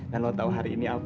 dan lo tahu hari ini apa